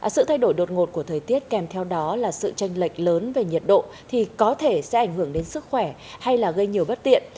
sự thay đổi đột ngột của thời tiết kèm theo đó là sự tranh lệch lớn về nhiệt độ thì có thể sẽ ảnh hưởng đến sức khỏe hay là gây nhiều bất tiện